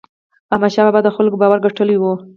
احمدشاه بابا د خلکو باور ګټلی و.